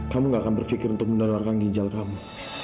kamu gak akan berpikir untuk mendonorkan ginjal kamu